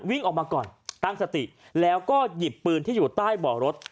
วิ่งออกมาก่อนตั้งสติแล้วก็หยิบปืนที่อยู่ใต้บ่อรถ